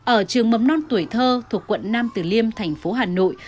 ở trường mầm non tuổi thơ thuộc quận nam tử liêm thành phố hà nội